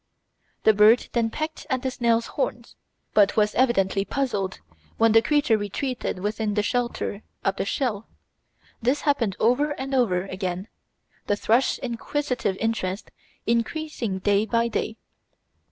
The bird then pecked at the snail's horns, but was evidently puzzled when the creature retreated within the shelter of the shell. This happened over and over again, the thrush's inquisitive interest increasing day by day.